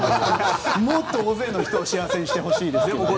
もっと大勢の人を幸せにしてほしいですね。